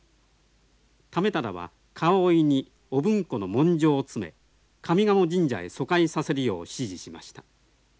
為理は皮おいに御文庫の文書を詰め上賀茂神社へ疎開させるよう指示しました。